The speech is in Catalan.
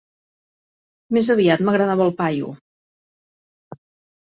Més aviat m'agradava el paio.